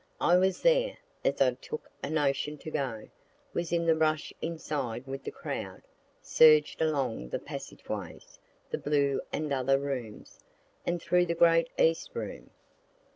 I was there, as I took a notion to go was in the rush inside with the crowd surged along the passage ways, the blue and other rooms, and through the great east room.